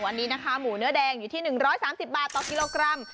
วันนี้นะคะหมูเนื้อแดงอยู่ที่๑๓๐บาทต่อกิโลกรัม